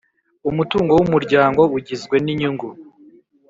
Umutungo w Umuryango ugizwe n inyungu